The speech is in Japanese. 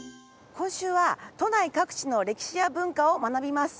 今週は都内各地の歴史や文化を学びます。